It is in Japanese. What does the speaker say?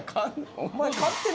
お前。